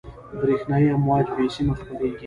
برېښنایي امواج بې سیمه خپرېږي.